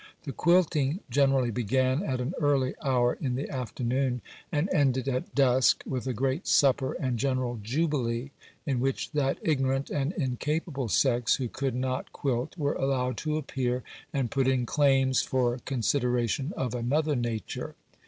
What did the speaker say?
The quilting generally began at an early hour in the afternoon, and ended at dusk with a great supper and general jubilee, in which that ignorant and incapable sex who could not quilt were allowed to appear, and put in claims for consideration of another nature.